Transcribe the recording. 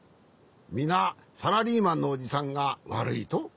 みなサラリーマンのおじさんがわるいと？